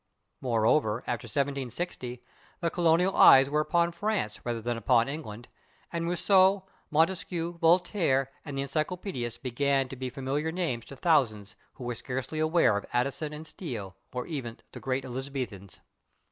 Moreover, after 1760 the colonial eyes were upon France rather than upon England, and Rousseau, Montesquieu, Voltaire and the Encyclopedists began to be familiar names to thousands who were scarcely aware of Addison and Steele, or even of the great Elizabethans.